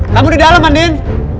kamu di dalam anin